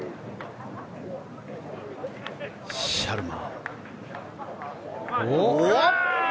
シャルマ。